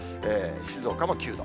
静岡も９度。